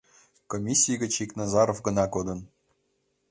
Комиссий гыч ик Назаров гына кодын.